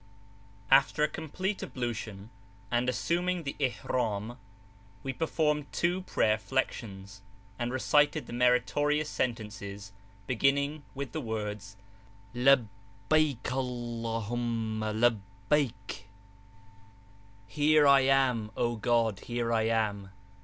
After a complete ablution and assuming the ihram, we performed two prayer flections, and recited the meritorious sentences beginning with the words Labbaik Allah huma labbaik! Here I am, O God, here I am!